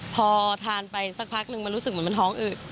พอทานไปสักพักนึงมันรู้สึกเหมือนมันท้องอืด